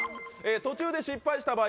途中で失敗した場合